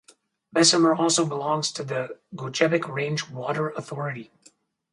Bessemer also belongs to the Gogebic Range Water Authority.